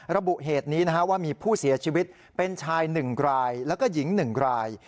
ระบุเหตุนี้ว่ามีผู้เสียชีวิตเป็นชาย๑รายแล้วก็หญิง๑ราย